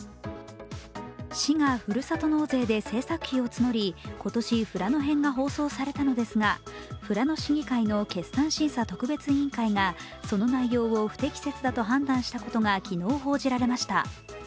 市がふるさと納税で制作費を募り今年、富良野編が放送されたのですが富良野市議会の決算審査特別委員会がその内容を不適切だと判断したことが昨日、報じられました。